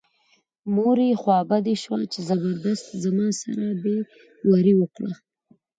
مور یې خوا بډۍ شوه چې زبردست زما سره بې وري وکړه.